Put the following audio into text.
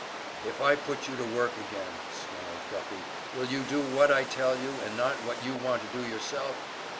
"If I put you to work again," snarled Guffey, "will you do what I tell you, and not what you want to do yourself?"